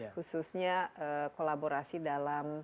khususnya kolaborasi dalam